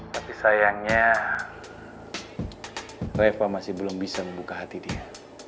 tapi sayangnya leva masih belum bisa membuka hati dia